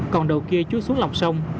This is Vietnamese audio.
còn đầu kia chui xuống lòng sông